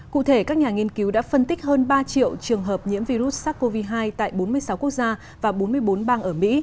cụ thể các nhà nghiên cứu đã phân tích hơn ba triệu trường hợp nhiễm virus sars cov hai tại bốn mươi sáu quốc gia và bốn mươi bốn bang ở mỹ